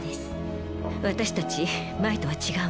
私たち前とは違うの。